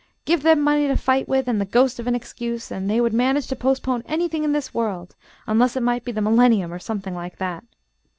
Give them money to fight with and the ghost of an excuse, and they: would manage to postpone anything in this world, unless it might be the millennium or something like that.